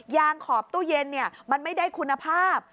งขอบตู้เย็นมันไม่ได้คุณภาพ